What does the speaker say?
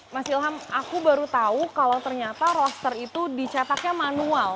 mas ilham aku baru tahu kalau ternyata roster itu dicetaknya manual